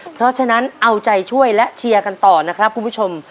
เพราะฉะนั้นเอาใจช่วยและเชียร์กันต่อนะครับคุณผู้ชม